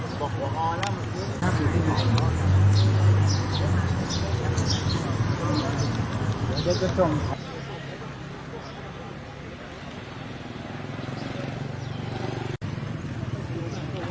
สุดท้ายสุดท้ายสุดท้ายสุดท้าย